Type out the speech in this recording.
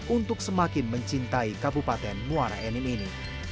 untuk semakin mencintai kabupaten muara enim ini